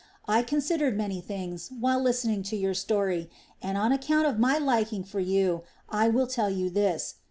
I considered many things, while listening to your story, and on account of my liking for you I will tell you this.